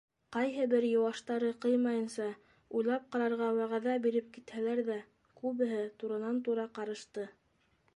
Ҡайһы бер йыуаштары ҡыймайынса, уйлап ҡарарға вәғәҙә биреп китһәләр ҙә, күбеһе туранан-тура ҡарышты.